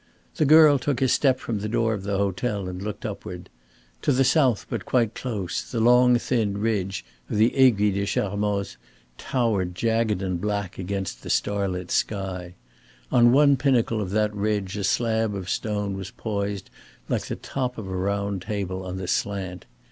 The girl took a step from the door of the hotel and looked upward. To the south, but quite close, the long thin ridge of the Aiguille des Charmoz towered jagged and black against the starlit sky. On one pinnacle of that ridge a slab of stone was poised like the top of a round table on the slant.